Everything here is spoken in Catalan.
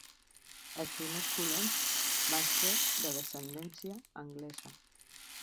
Els primers colons van ser de descendència anglesa.